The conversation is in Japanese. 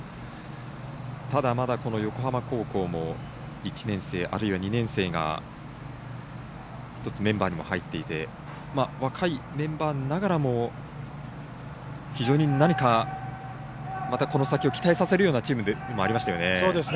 ただ、まだ横浜高校も１年生、あるいは２年生が一つ、メンバーにも入っていて若いメンバーながらも非常に何かまたこの先を期待させるようなチームでもありましたよね。